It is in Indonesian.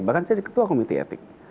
bahkan saya di ketua komite etik